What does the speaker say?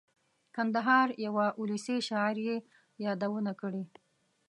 کندهار یوه اولسي شاعر یې یادونه کړې.